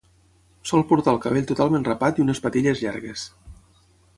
Sol portar el cabell totalment rapat i unes patilles llargues.